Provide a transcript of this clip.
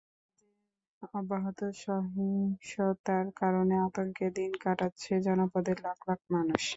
তাদের অব্যাহত সহিংসতার কারণে আতঙ্কে দিন কাটাচ্ছে জনপদের লাখ লাখ মানুষ।